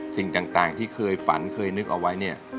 สิ่งต่างที่เคยฝันเคยนึกเอาไว้เนี่ย